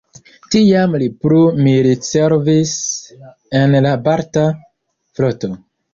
Tiam li plu militservis en la Balta floto.